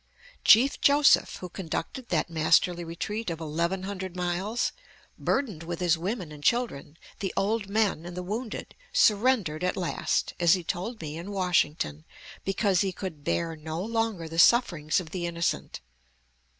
Chief Joseph, who conducted that masterly retreat of eleven hundred miles, burdened with his women and children, the old men and the wounded, surrendered at last, as he told me in Washington, because he could "bear no longer the sufferings of the innocent."